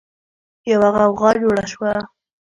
يوه غوغا جوړه شوه.